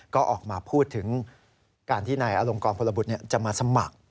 ก็ออกมาพูดถึงการที่นายอลงกรพลบุตรจะมาสมัคร